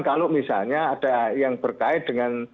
kalau misalnya ada yang berkait dengan